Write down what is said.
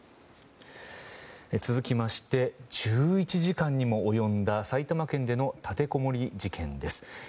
続きまして、１１時間にも及んだ埼玉県での立てこもり事件です。